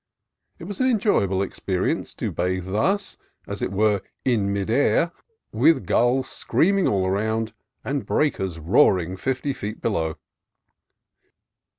It was an enjoy able experience to bathe thus, as it were, in mid air, with gulls screaming all around and breakers roar ing fifty feet below.